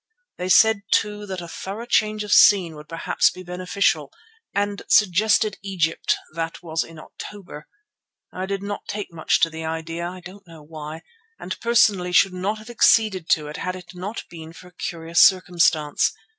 They said too that a thorough change of scene would perhaps be beneficial, and suggested Egypt; that was in October. I did not take much to the idea, I don't know why, and personally should not have acceded to it had it not been for a curious circumstance.